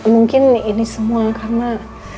mungkin ini semua karena